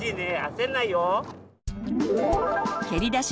焦んないよ。